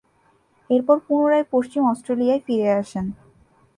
এরপর পুনরায় পশ্চিম অস্ট্রেলিয়ায় ফিরে আসেন।